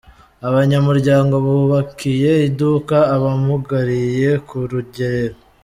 Abanyamuryango bubakiye iduka abamugariye ku rugerero